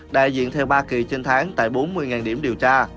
đại diện theo ba kỳ trên tháng tại bốn mươi điểm điều tra